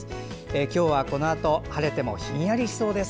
今日はこのあと晴れてもひんやりしそうです。